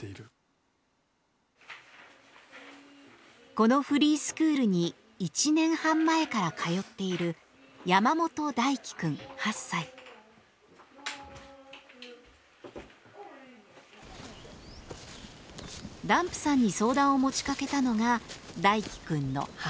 このフリースクールに１年半前から通っているダンプさんに相談を持ちかけたのが大樹くんの母親です。